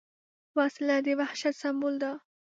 وسله د وحشت سمبول ده